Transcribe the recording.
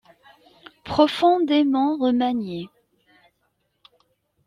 Profondément remanié.